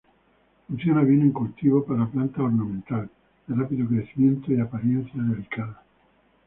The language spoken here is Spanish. Funciona bien en cultivo para planta ornamental, de rápido crecimiento y apariencia delicada.